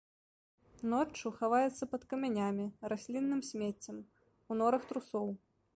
Ноччу хаваецца пад камянямі, раслінным смеццем, у норах трусоў.